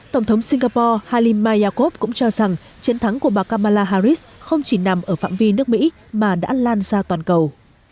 tổng thống singapore halim mayakov cũng cho rằng chiến thắng của bà kamala harris không chỉ nằm ở phạm vi nước mỹ mà đã lan ra toàn cầu